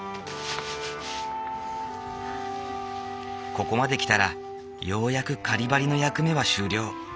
ここまで来たらようやく仮ばりの役目は終了。